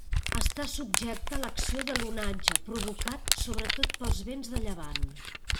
Està subjecte a l'acció de l'onatge, provocat sobretot pels vents de llevant.